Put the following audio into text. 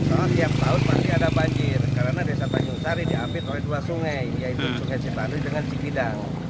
setiap tahun pasti ada banjir karena desa tanjung sari diambil oleh dua sungai yaitu sungai sipandri dengan sipidang